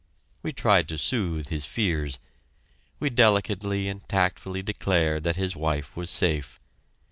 We tried to soothe his fears. We delicately and tactfully declared that his wife was safe.